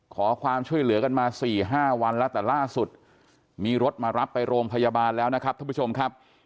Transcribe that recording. ขอความช่วยเหลือกันมา๔๕วันแล้วแต่ล่าสุดมีรถมารับไปโรงพยาบาลแล้วนะครับท่านผู้ชมครับ